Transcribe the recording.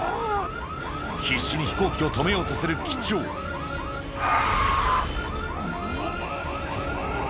必死に飛行機を止めようとする機長ん！